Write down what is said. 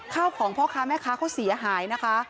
ข้าวของพ่อค้าแม่ค้าเขาเสียหายนะคะ